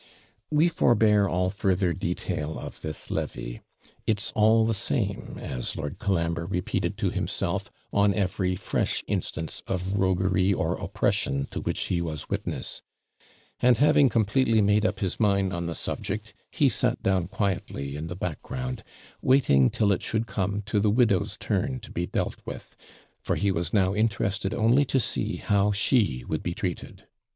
We forbear all further detail of this levee. 'It's all the same!' as Lord Colambre repeated to himself, on every fresh instance of roguery or oppression to which he was witness; and, having completely made up his mind on the subject, he sat down quietly in the background, waiting till it should come to the widow's turn to be dealt with, for he was now interested only to see how she would be treated.